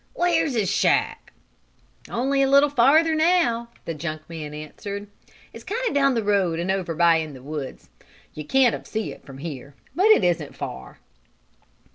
"Where's his shack?" "Only a little farther now," the junk man answered. "It's down of the road and over by in the woods. You can't of see it from here, but it isn't far."